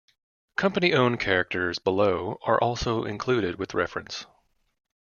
Company owned characters below are also included with reference.